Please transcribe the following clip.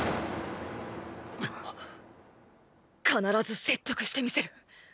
必ず説得してみせる！